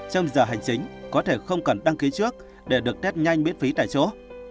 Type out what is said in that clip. trong giờ hành chính có thể không cần đăng ký trước để được test nhanh miễn phí tại chỗ